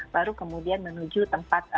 baru kemudian menuju tempat